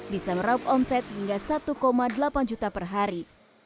bisa meraup omset hingga satu delapan juta per hari